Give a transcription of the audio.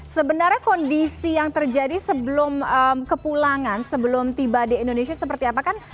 sebenarnya kondisi yang terjadi sebelum kepulangan sebelum tiba di indonesia seperti apa kan